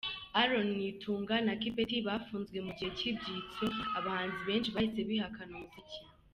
Aaron Nitunga na Kipeti bafunzwe mu gihe cy’ibyitso, abahanzi benshi bahise bihakana umuziki.